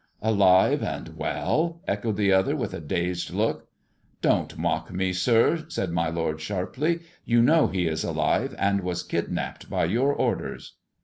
" Alive and well !" echoed the other, with a dazed look. "Don't mock me, sir," said my lord sharply. "You know he is alive, and was kidnapped by your orders."